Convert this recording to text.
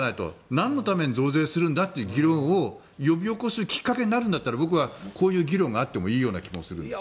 なんのために増税するんだという議論を呼び起こすきっかけになるんだったら僕はこういう議論があってもいいような気もするんですよ。